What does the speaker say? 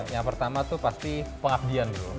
yang pertama tuh pasti pengabdian gitu